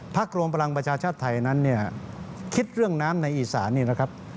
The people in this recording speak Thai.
รวมพลังประชาชาติไทยนั้นเนี่ยคิดเรื่องน้ำในอีสานนี่นะครับ